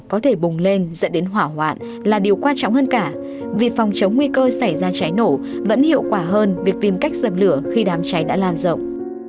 có thể bùng lên dẫn đến hỏa hoạn là điều quan trọng hơn cả vì phòng chống nguy cơ xảy ra cháy nổ vẫn hiệu quả hơn việc tìm cách dập lửa khi đám cháy đã lan rộng